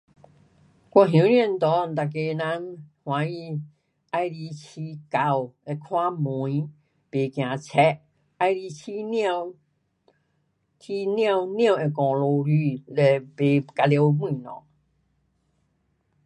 我乡村内大家人欢喜喜欢养狗，会看门，不怕贼，喜欢养猫。养猫，猫会咬老鼠嘞不 kacau 东西。